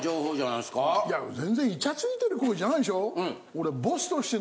いや全然イチャついてる行為じゃないでしょ？